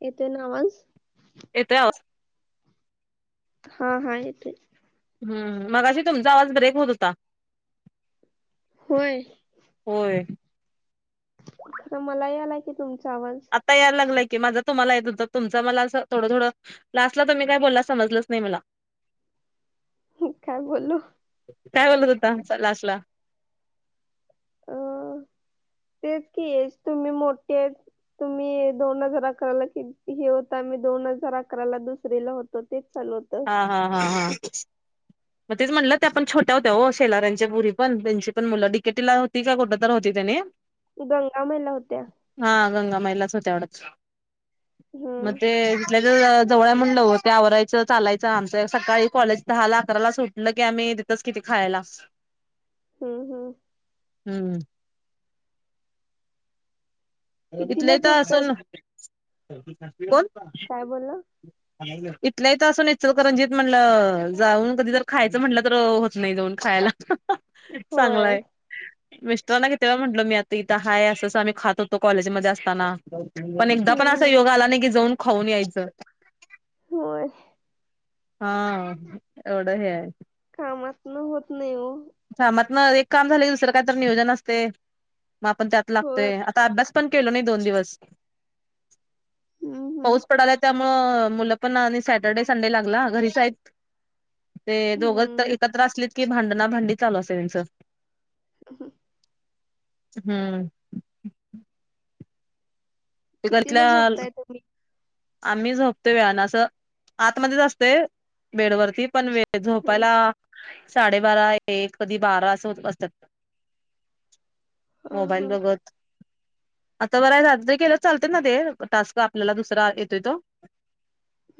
येते ना आवाज येतोय आवाज हा हा येत. हम् मग अशी तुमचा आवाज ब्रेक होत होता. होय. होय. आता मला याला की तुमच्या आता यायला लागलाय. की माझा तुम्हाला तुमच मला थोडं थोडं लाटला तुम्ही काही बोलला समजलंच नाही मला काय बोललो काय बोलत होता लास्ट ला अ तेच की येस तुम्ही मोठे तुम्ही दोन हजार अकराला क हे होता आम्ही दोन हजार अकराला दुसरला होतो ते हा हा हा हा. मग तेच म्हटलं ते आपण छोट्या होत्या हो शेलार्यांच्या बुरी पण त्यांची पण मुलं डिकेटीला होती का कुठं तर होती त्याने गंगामायला होत्या हा गंगा महिलाच होतवढत. मग हम्म ते जिथल्या तिथं. जवळ म्हणलं हो आवरायचं चालायचं आमच सकाळी कॉलेज दहा लाख ला सुटलं की आम्ही तिथच किती खायला. हम्म हम्. हम्म. कितीला इथले तर झोपताय तुम्ही अस कोण? काय बोलल. इथल्या इथं असून इचलकरंजीत म्हंटलं जाऊन कधी तर खायचं म्हटलं तर होत नाही जाऊन खायला. होय चांगलाय मिस्टरांना किती व म्हटलो मी आता इथं हाय असं आम्ही खात होतो. तो कॉलेजमध्ये असताना पण एकदा हम्म पण असा हम्म योगा आला नाही की जाऊन खाऊन यायचं हो... हा एवढं हे आहे... काम होत नाही हो... कामातन एक काम झाले दुसर काही नियोजन असते मग आपण त्यात होय लागतोय आता अभ्यास केलो नाही दोन दिवस हम्म हम्म पाऊस पडाला. मुल पण आणि सॅटर्डे संडे लागला घरीच आहेत. ते दोघंच तर हम्म एकत्र असलेत की भांडणा भांडीत चालू असे त्यांचं. ह ह. हम्म. कितीला घरातल्या झोपताय तुम्ही? आम्ही झोपतोय वेळान अस आतमध्येच असते बेडवररती पण वे झोपायला हा साडेबारा एक कधी बारा अस वाजत्यात. मोबाईल हा बघत. आता बर रात्री केल तर चालत ना ते टास्क आपल्याला दुसरा येतोय तो.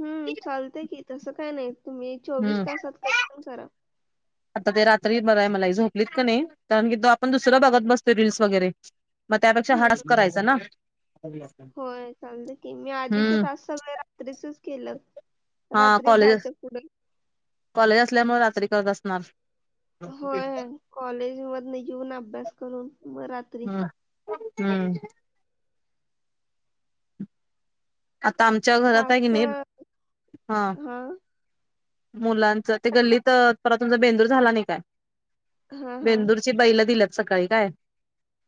हम्म चालते कि तसं काय नाही तुम्ही चोवीस हम्म तासात कधी पण करा. आता ते रात्री बरं आहे मला झोपलीत का नाही कारण की तो आपण दुसऱ्या भागात बसतो रीलल्स वगैरे. मग त्यापेक्षा हा हम्म टास्क करायचा ना... होय चालत की मी आधीचे हम्म टास्क सगळे रात्रीचेच केलेत.... हा कॉलेज कॉलेज असल्यामुळे रात्री करत असणार... होय कॉलेज मधून येेऊन अभ्यास करून मग रात्री.... हम्म. हम्म.... आता आमच्या घरात आहे की टास्क कनी हा हा.... मुलांचं ते गल्लीत पर तुमचा बेंदूर झाला नाही काय? हा हा बेंदूरची बैल दिल्यात सकाळी काय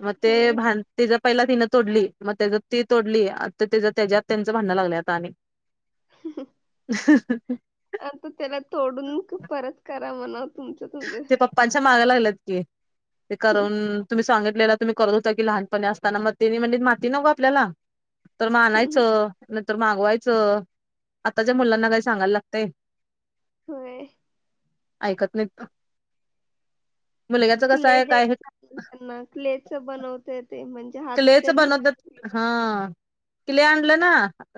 मग ते हा भानतीच... पहिला तिनं तोडली मग त्या ती तोडली त्याच्यात त्यांचं भांडण लागले आता आणि... [unintelligible] [unintelligible] आता त्याला तोडून परत करा म्हणा तुमच तुम्ही... माग लागल्यात की ते करून तुम्ही... आपल्याला तुम्ही करत होता की लहानपणी असताना मग तेनी म्हणजे माती न गो आपल्याला.... तर म आणायचं! तर मागवायचं आताच्या मुलांना काही सांगायला लागतय.... होय.... ऐकत नाहीत. मुलग्याच कसं क्ले आहे द्या काय... त्यांना क्लेचं बनवते ते म्हणजे हात तेन पण [unintelligible] क्लेले आणलं ना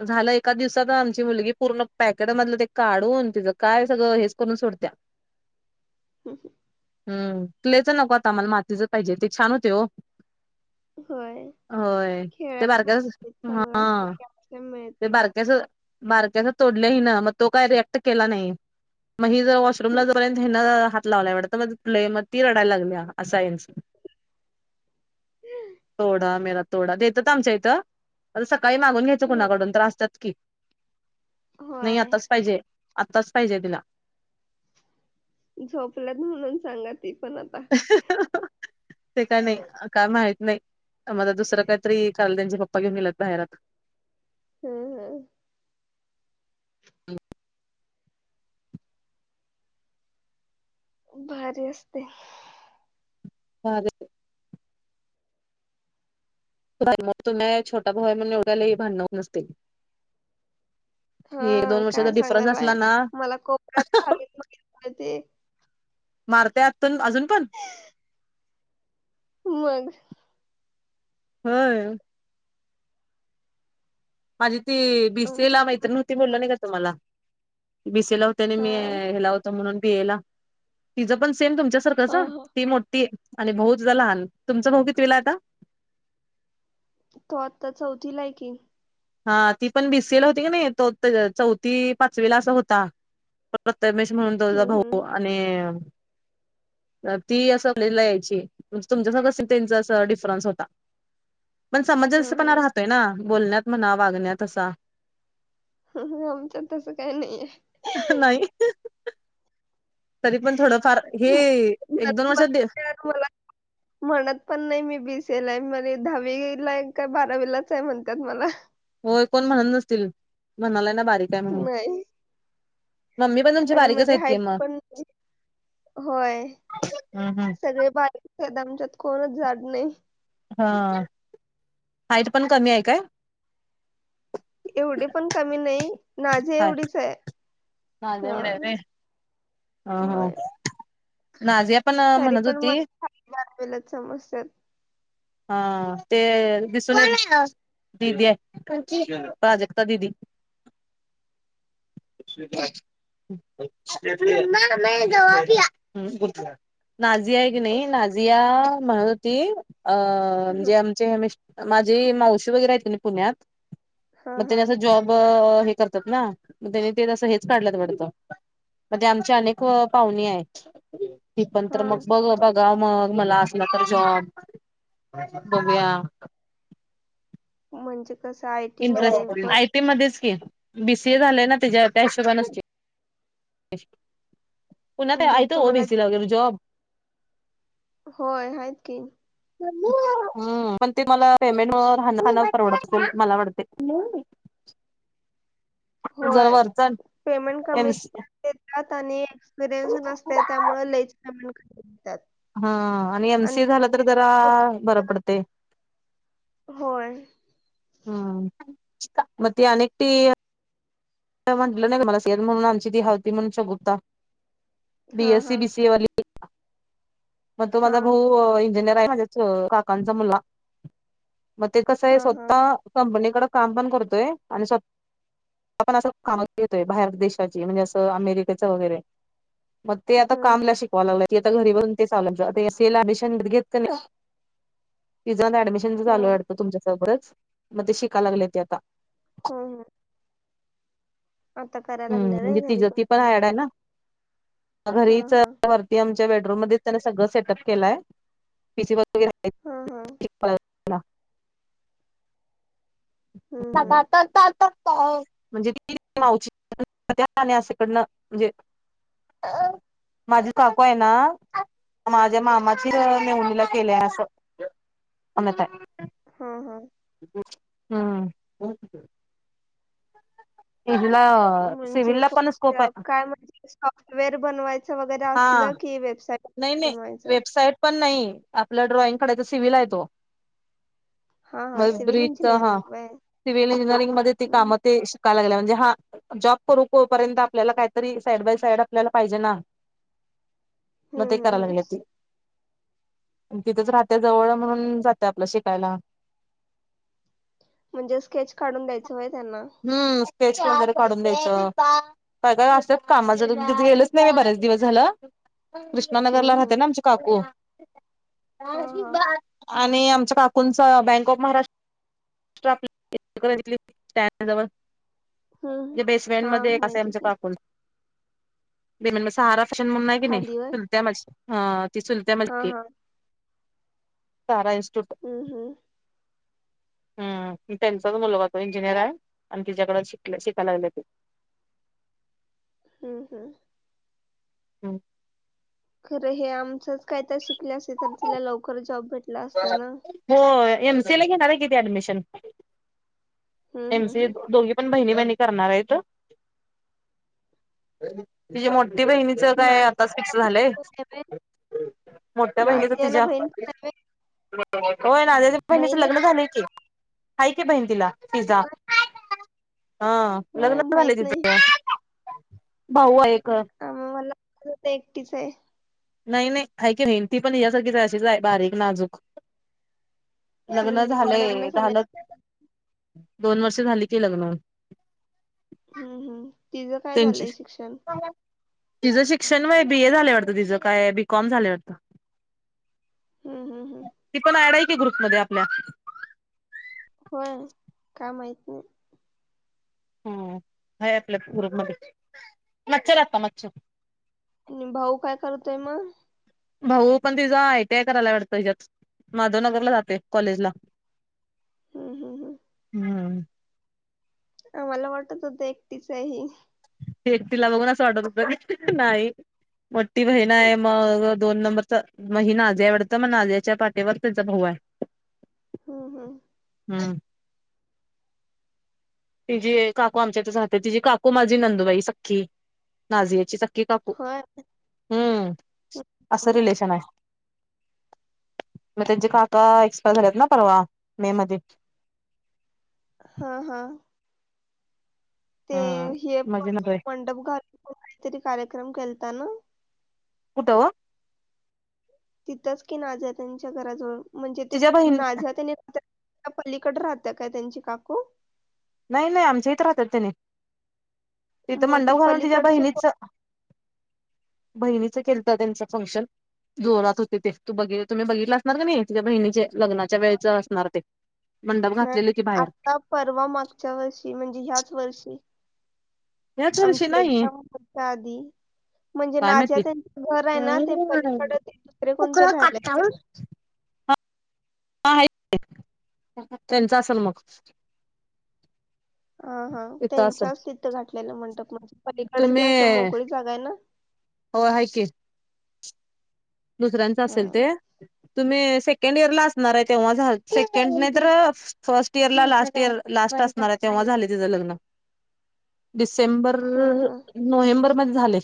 झालं एका दिवसात आमची मुलगी पूर्ण पॅकेट मधलं ते काढून ति... काय सगळं हेच करून सोडतीया. हम.. हम... हम क्लेच नको आता आम्हाला मातीच पाहिजे ते छान होते हो.... होय होय खेळायला ते बारक्याच चांगला हा असतं कॅल्शियम ते मिळते बारक्याच.... बारक्याच तोडलं हीन मग तो काय रिएक्ट केला नाही.... मी जरा वॉशरूम ह्यांना हात... लावलाय वाटत म तु म ती रडायला लागल्या आस आहे हेंच.... तोडा मेरा तोडा देत्यात आमच्याकड आता सकाळी मागून घ्यायच कोणाकडून तरी असत्यात की.... नाही आत्ताच होय पाहिजे आत्ताच पाहिजे तिला.... झोपलात म्हणून सांगत.. ते काय नाही काय माहित... नाही मला दुसरं काही तरी खालद्यांचे पप्पा घेऊन गेलात बाहेरात आता.... हम् हम हम... भारी असतय. [unintelligible] छोटा भाऊ आहे म्हणून एवढ्या लय भांडणं होत नसतील.... हे हं दोन वर्षाचा काय डिफरन्स सांगालाय असला ना मला कोपऱ्यात बघितलं ते... मारत्या तन अजून पण.. मग... होय.. माझी ती बी सी ए ला आमच्यात पण मैत्रिण होती बोललं नाही का तुम्हाला... बी सी ए ला होती आणि मी हा हेला होतो म्हणून बी ए ला तिझं पण... सेम तुमच्यासारखंच हा हं हा ती मोठी... आणि भाऊ तिचा लहान तुमचा भाऊ कितविलाय आता... तो आता चौथीला हाय की... हा ती पण बी सी ला होती की नाही तो ते चौथी पाचवीला असं होता... तमेश म्हणून तो तिजा हम्म भाऊ हम्म आणि तर ती असं कॉलेजला यायची पण हा समंजसपणा राहतोय ना ह ह आमच्यात तसं काय नाही तरी पण थोडं फार घरी बघितल्यावर मला म्हणत पण होय कोण म्हणत नाही मम्मी पण तुमची आणि बारीकच म्हणजे आहेत की हाईट मग पण होय हम्म हम्म. सगळे बा हा एवढी पण कमी नाही नाझिया एवढीच आहे नाझिया हा एवढी हाय होय तरी प हा ते दिसून येत [unintelligible] दिदी हाय [unintelligible] नाझिया हाय की नाही नाझिया म्हणत होती अं म्हणजे आमचे हे मिश् माझी मावशी वगैरे हायत की नाय पुण्यात हा मग हा त्यांनी असं जॉब हे करतात ना मध्ये आमची अनेक पाहुणी हाय ती पण तर मग हा बघ बघा मग मला असला तर जॉब बघूया म्हणजे कसं आय टी मध्ये इंटरेस्ट होय आय टी मध्येच की बी सी ए झालंय ना तिच्या त्या हिशीबानचं की पुण्यात ते म्हणजे हायतं ओ तुम्हाला बी सी ला वगैर जॉब होय हायत की [unintelligible] हम्म पण ते मला [inaudible] जरा होय वरचं आण पेमेंट कमी कमी देतात हा आणि एम सी ए झालं तर जरा होय हम्म मग ते अनेक टी म्हटलं नाही का मला [unintelligible] म्हणून आमची ती हा हा [unintelligible] [unintelligible] मग तो हा नाही माझ्या च काकांचा हा हा काम पण करतोय आणि स्वत् आपण असं कामच घेतोय बाहेर देशाची म्हणजे असं अमेरिकेचं वगैरे मग ते आता हम्म काम हम्म मला शिकवाय लागले ती आता घरी बसुन [unintelligible] घेतल नाही जाऊन ऍडमिशन च झाल हम्म तुमच्या सोबच मग ते शिकाय लागले ते आता हम्म हम्म आता कराय हम्म लागल्या व्हय म्हणजे घरी तिज ती पण बसुन ऍड आहे ना [inaudible] हां हां. [unintelligible] [unintelligible] हं, हं. [unintelligible] म्हणजे [unintelligible] माझी काकू आहे ना माझ्या मामाची हां. म्हेवणीला केलंय असं [unintelligible] हा हा ह हा [unintelligible] इला सिवल म्हणजे ला पण स्कोप कोणत्या आहे काय म्हणजे सॉफ्टवेअर बनवायचं वगैरे हा असलं की वेबसाईट नाही वगैरे नाही बनवायचं? वेबसाईट पण नाही आपलं ड्रॉइंग कडे सिवल आहे तो हां, हां. मग सिव्हिल ब्रिज हा इंजिनिअरिंग व्हय? सिव्हल इंजिनिअरिंग मध्ये ते हं, काम हं. ते णजे हा जॉब करूर्यंत आपल्याला काहीतरी साईड बाय साईड आपल्याला पाहिजे ना मग हं, ते हं, हं. करायलागेले ते तिथंच राहते जवळ म्हणून जाते आपलं शिकायला म्हणजे स्केच काढून द्यायच वय त्यांना पेच वगैरे काढून द्यायचं काय काय असं कामा ज कि गेलंच नाही म बर्याच दिवस झालं कृष्णानगर हं, ला राहते हं. ना आमचे काकू हां, हां. का आम काक बँक ऑफ महाराष्ट हं, हं. त्याजवळे बेसमेंट हां, मध्ये अस माहिती आहे आमचे की. काकून म्ह सहारा फॅशन म्हणून नाही कि नाही खाली व्हय? तु त्या मा सुलजा हां, मलके हां. सारा हम्म हम्म हम् त्यांचाच मुलगा तो इंजिनियर आहे आणि तिच्याकड शिक शिकायला लागले ते आआअ हम्म हम्म हम् खरं हे आमचंच काही तर शिकले असेल तर तिला लवकर जॉब भेट हो एमसी ला घेणार किती ऍडमिशन हं, एम हं, सी हं. दोघी पण बहिणी ब आहे ी बहिणीच काय आताच नाझियाला फिक्स बहीण झालंय पण आहे व्हय? मोठ्या बहिणीचा नाझियाला तिझ्या बहीण हो ना बहिणीचं बहीण आहे लग्न झालंय की हाय के बहीण तिला पिझ्झा हा लग्न होय झाले माहित नाही तिथं भाऊ आहे आम्हा- मला आज हो एकटीच आहे नाही नाही ऐ की मेहनती पण यासारखीच अशीच आहे बारीक नाजूक लग्न हम्म हम्म झालंय लग्न झालंय ल दोन वर्ष झाली की लग्न हम् हम्म तिझं काय झालंय शिक्षण तिझं शिक्षण व बी ए झाल्यावरतं तिचं काय बीकॉम झाल्यावरतं हम्म हम्म हम्म ती पण डय की ग्रुप मध्ये आपल्या होय काय माहत नाही हम्य आपल्यार मध्ये मच्छ लागता मच्छ आणि भाऊ काय करतोय मग भाऊ पण तिझा आयटीआय करायला वाटतं हिज्यात, माधवनगरला जाते कॉलेजला. हम्म, हम्म, हम्म. हम् ह मला वाटत होत एकटीचही ते तिला बघून असं वाटत होत नाही मो ती बहीण आहे मग दोन नंबर तर मग ही नाज्या आवडत मग नाज्याच्या पाटेवर त्याचा भाऊ आहे औऔओ हम् हम ह् तजे काकू आमच्यात राहत ति काकू मा ी नंदुबाई सखी नाझियाची स की काकू होय हम्म असं हम्म. रिलेशन आहे मग त्यांचे काका एक्सपायर झालेत ना परवा मे मध्ये हा हा ते हा हे प माझी नंदू आहे मंडप घालूनण काहीतरी कार्यक्रम केलत ना कुठ ओ? तिथंच की नाझिया त्यांच्या घराजवळ म्हणजे ते तिच्या बहीण नजिया त्यांनी त्या पलीकड राहत्या काय त्यांची काकू? नाही नाही आमच्या इथ राहतात त्यानी. तिथं मग ते मंडप घालून तिच्या पलीकडचे बहिणीच कोण बहिणीच केलता त्यांच फंक्शन जोरात होते ते तू बघित तुम्ही बघितलं असणार का नाही तुझ्या बहिणीचे लग्नाच्या वेळच असणार ते. मंडप घातलेले नाही की बाहेर आता परवा मागच्या वर्षी म्हणजे ह्याच वर्षी. याच वर्षी आमची नाही एक्झाम [unintelligible] आधी. म्हणजे काय नजिया माहिती त्यांच घर आहे ना ते पलीकडत ते दुसरे उकळा कोणतरी राहिला काटावर हायत का. हा हायत की त्यांच असल मग. हा हा तिथं असेल त्यांच्याच तिथं घातलेल मंडप म्हणजे पलीकड ते तुम्ही असं मोकळी जागा आहे ना. हो हाय की. दुसऱ्यांच हा असेल ते, तुम्ही सेकंड इयर ला असणार आहे तेव्हा सेकंड तर first year last year last असणार आहे तेव्हा. झालय तिज लग्न, डिसेंबर, हं हं. नोव्हेंबरमध्ये झालय.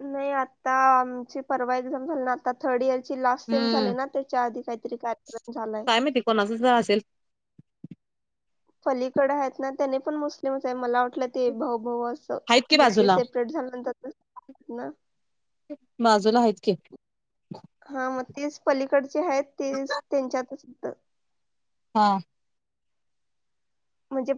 नाही आता आमची परवा एक्झाम झाली ना आता थर्ड इयर लास्ट टइम झालय हम्म ना त्याच्या आधी काहीतरी कार्यक्रम झालाय. काय माहिती कोणाचच असेल पलीकड आहेत ना त्याने पण मुस्लिम आहे मला वाट लं ते भाऊ भाऊ असं आहेत की म्हणजे बाजूला सेपरेट झाल्यानंतर ना. बाजूला हायत की. हा म तेच पलीकडचे आहेत तेच त्यांच्यात होत. हा. म्हणजे.